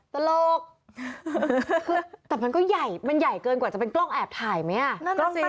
ตลกคือแต่มันก็ใหญ่มันใหญ่เกินกว่าจะเป็นกล้องแอบถ่ายไหมอ่ะ